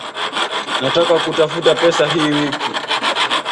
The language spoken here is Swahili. Nataka kutafuta pesa hii wiki